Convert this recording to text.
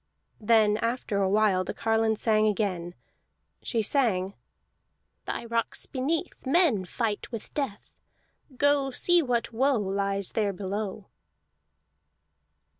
Then after a while the carline sang again. She sang: "Thy rocks beneath, Men fight with death. Go, see what woe Lies there below!"